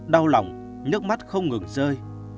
đau lòng nước mắt không ngừng rơi